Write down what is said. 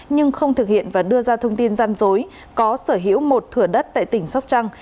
nhưng không thực hiện và đưa ra thông tin gian dối có sở hữu một thửa đất tại tỉnh sóc trăng